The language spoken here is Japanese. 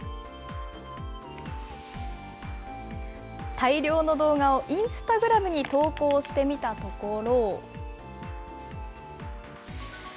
大量の動画をインスタグラムに投稿してみたところ。